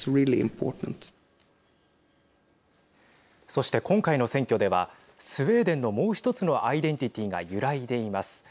そして、今回の選挙ではスウェーデンのもう１つのアイデンティティーが揺らいでいます。